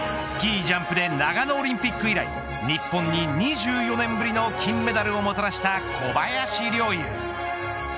スキージャンプで長野オリンピック以来日本に２４年ぶりの金メダルをもたらした小林陵侑。